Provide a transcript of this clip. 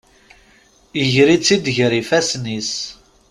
Iger-itt-id gar ifasen-is.